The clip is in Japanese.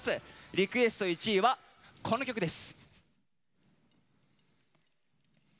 リクエスト１位は、この曲です。